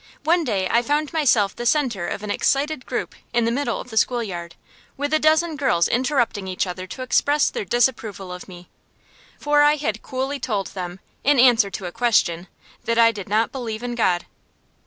One day I found myself the centre of an excited group in the middle of the schoolyard, with a dozen girls interrupting each other to express their disapproval of me. For I had coolly told them, in answer to a question, that I did not believe in God.